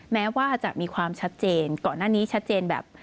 แม้ว่าจะมีความชัดเจนก่อนหน้านี้ชัดเจนแบบ